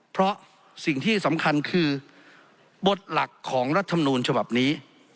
เพราะสิ่งที่สำคัญคือบทหลักของรัฐมนูลฉบับนี้